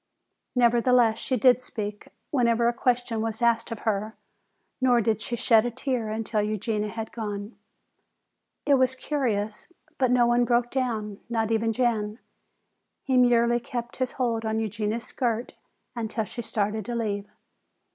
Nevertheless, she did speak whenever a question was asked of her, nor did she shed a tear until Eugenia had gone. It was curious, but no one broke down, not even Jan. He merely kept his hold on Eugenia's skirt until she started to leave.